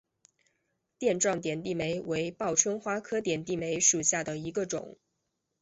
垫状点地梅为报春花科点地梅属下的一个种。